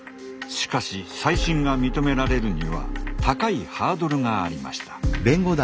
しかし再審が認められるには高いハードルがありました。